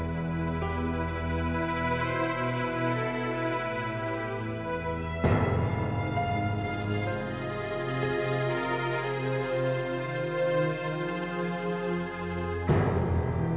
mama sudah agak kuat